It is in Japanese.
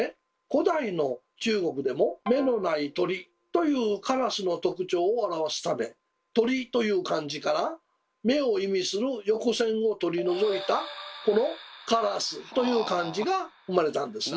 古代の中国でも「目のない鳥」というカラスの特徴を表すため「鳥」という漢字から目を意味する横線を取り除いたこの「烏」という漢字が生まれたんですね。